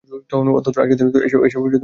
অন্তত আজকের দিনে এসব না খেলেও পারতে!